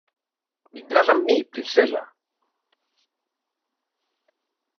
Vindràs amb mi, princesa.